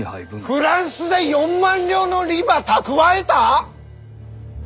フランスで４万両の利ば蓄えた！？